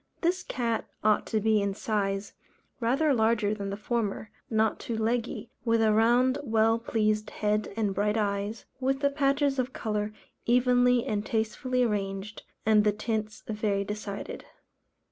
This cat ought to be, in size, rather larger than the former, not too leggy, with a round well pleased head and bright eyes, with the patches of colour evenly and tastefully arranged, and the tints very decided.